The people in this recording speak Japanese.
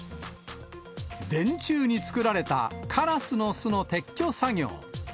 電柱に作られたカラスの巣の撤去作業。